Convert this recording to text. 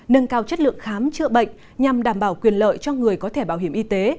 nâng cao chất lượng khám chữa bệnh nhằm đảm bảo quyền lợi cho người có thể bảo hiểm y tế